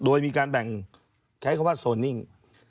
โดยมีการแบ่งใช้คำว่าโซนิ่ง